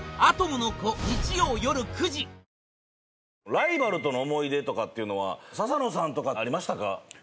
ライバルとの思い出とかっていうのは笹野さんとかありましたか？